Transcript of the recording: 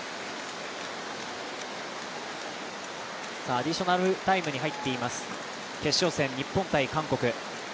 アディショナルタイムに入っています、決勝戦、日本×韓国。